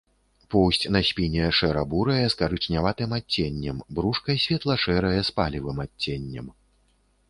Поўсць на спіне шэра-бурая з карычняватым адценнем, брушка светла-шэрае з палевым адценнем.